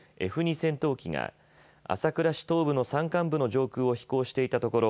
戦闘機が朝倉市東部の山間部の上空を飛行していたところ